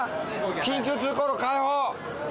緊急通行路開放。